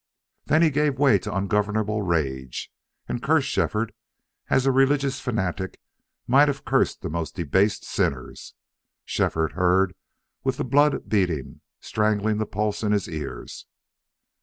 Then he gave way to ungovernable rage, and cursed Shefford as a religious fanatic might have cursed the most debased sinners. Shefford heard with the blood beating, strangling the pulse in his ears.